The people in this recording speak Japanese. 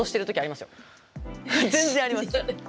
全然あります。